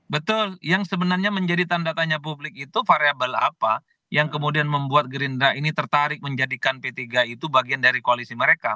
betul yang sebenarnya menjadi tanda tanya publik itu variable apa yang kemudian membuat gerindra ini tertarik menjadikan p tiga itu bagian dari koalisi mereka